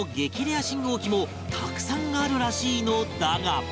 レア信号機もたくさんあるらしいのだが